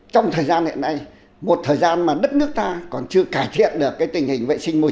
trong thời gian hiện nay một thời gian mà đất nước ta còn chưa cải thiện được tình hình vệ sinh môi trường